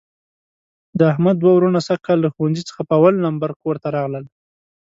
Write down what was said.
د احمد دوه وروڼه سږ کال له ښوونځي څخه په اول لمبر کورته راغلل.